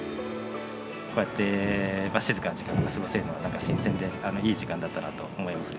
こうやって静かな時間が過ごせるのはなんか新鮮でいい時間だったなと思いますね。